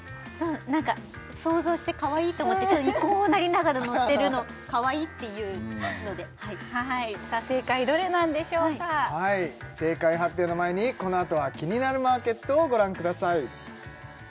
なんか想像してかわいいと思ってこうなりながら乗ってるのかわいいっていうのではいさあ正解どれなんでしょうかはい正解発表の前にこのあとは「キニナルマーケット」をご覧ください